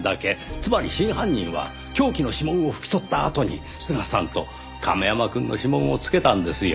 つまり真犯人は凶器の指紋を拭き取ったあとに須賀さんと亀山くんの指紋を付けたんですよ。